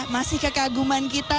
masih kekaguman kita